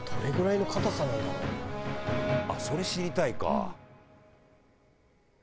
それ知りたいか。